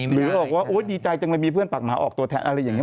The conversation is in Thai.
หรือบอกว่าโอ๊ยดีใจจังเลยมีเพื่อนปากหมาออกตัวแทนอะไรอย่างนี้